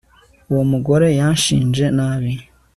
Uwo mugore yanshinje nabi